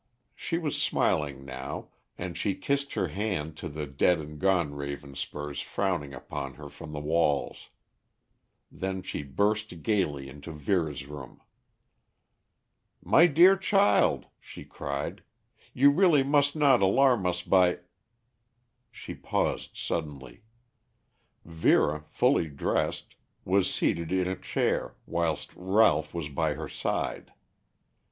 She was smiling now, and she kissed her hand to the dead and gone Ravenspurs frowning upon her from the walls. Then she burst gaily into Vera's room. "My dear child," she cried, "you really must not alarm us by " She paused suddenly. Vera, fully dressed, was seated in a chair, whilst Ralph was by her side.